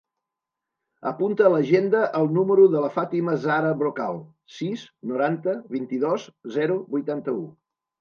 Apunta a l'agenda el número de la Fàtima zahra Brocal: sis, noranta, vint-i-dos, zero, vuitanta-u.